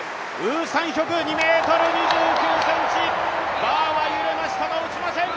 ウ・サンヒョク、２ｍ２９ｃｍ、バーは揺れましたが落ちません。